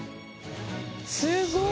すごい！